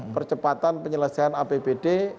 percepatan penyelesaian apbd